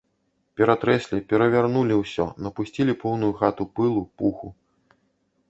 Ператрэслі, перавярнулі ўсё, напусцілі поўную хату пылу, пуху.